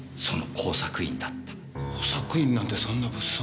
工作員なんてそんな物騒な。